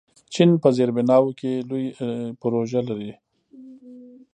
چین په زیربناوو کې لوی پروژې لري.